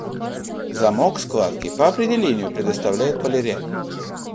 Замок складки, по определению, предоставляет полиряд.